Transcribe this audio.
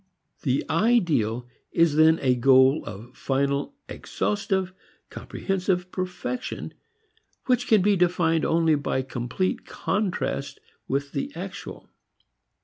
The ideal is then a goal of final exhaustive, comprehensive perfection which can be defined only by complete contrast with the actual.